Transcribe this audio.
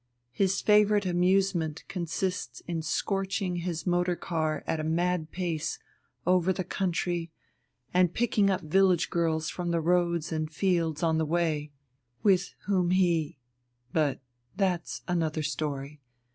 His favourite amusement consists in scorching in his motor car at a mad pace over the country and picking up village girls from the roads and fields on the way, with whom he but that's another story.